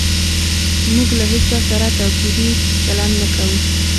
موږ له هيچا سره توپيري چلند نه کوو